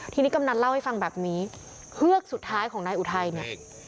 ทีนี้กำนันเล่าให้ฟังแบบนี้เฮือกสุดท้ายของนายอุทัยเนี่ย